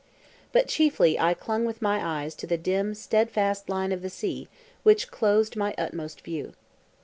But chiefly I clung with my eyes to the dim, steadfast line of the sea which closed my utmost view.